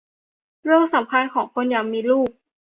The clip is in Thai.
เรื่องสำคัญของคนอยากมีลูก